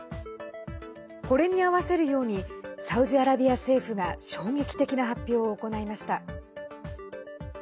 これに合わせるようにサウジアラビア政府が衝撃的な発表を行いました。